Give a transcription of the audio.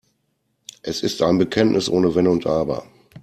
Es ist ein Bekenntnis ohne Wenn und Aber.